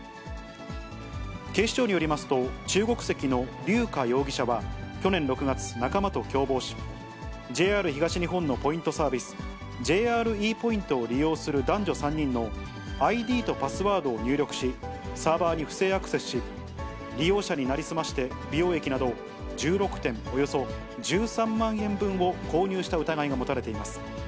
警視庁によりますと、中国籍のりゅう佳容疑者は去年６月、仲間と共謀し、ＪＲ東日本のポイントサービス、ＪＲＥＰＯＩＮＴを利用する男女３人のＩＤとパスワードを入力し、サーバーに不正アクセスし、利用者に成り済まして美容液など１６点、およそ１３万円分を購入した疑いが持たれています。